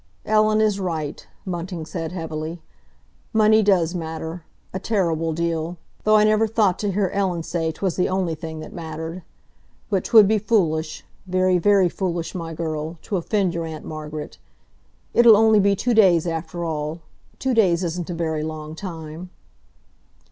"Ellen is right," Bunting said heavily. "Money does matter—a terrible deal—though I never thought to hear Ellen say 'twas the only thing that mattered. But 'twould be foolish—very, very foolish, my girl, to offend your Aunt Margaret. It'll only be two days after all—two days isn't a very long time."